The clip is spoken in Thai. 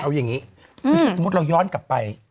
เอาอย่างนี้คือถ้าสมมุติเราย้อนกลับไป